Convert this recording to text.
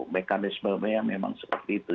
mekanisme memang seperti itu